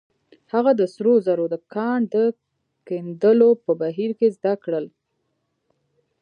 هغه د سرو زرو د کان د کیندلو په بهير کې زده کړل.